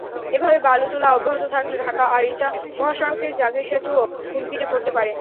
এভাবে বালু তোলা অব্যাহত থাকলে ঢাকা-আরিচা মহাসড়কের জাগীর সেতুও হুমকিতে পড়তে পারে।